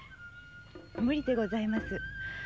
無理でございます。